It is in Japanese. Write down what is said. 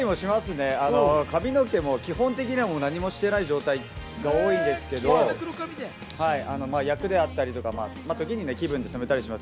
髪の毛も基本的には何もしていない状態が多いんですけれども、役であったりとか、気分で染めたりします。